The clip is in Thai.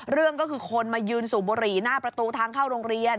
เรื่องก็คือคนมายืนสูบบุหรี่หน้าประตูทางเข้าโรงเรียน